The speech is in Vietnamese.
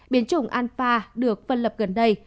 biến chủng alpha được phân lập gần đây